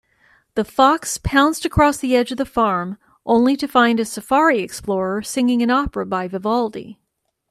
The fox pounced across the edge of the farm, only to find a safari explorer singing an opera by Vivaldi.